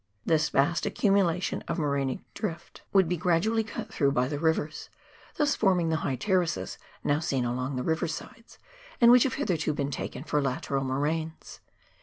This vast accumulation of morainic drift would be gradually cut COOK PJVER AND ANCIENT GLACIERS. 15? through by the rivers, thus forming the high terraces now seen along the river sides, and which have hitherto been taken for lateral moraines.